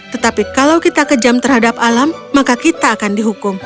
tetapi kalau kita kejam terhadap alam maka kita akan dihukum